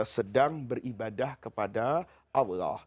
sedang beribadah kepada allah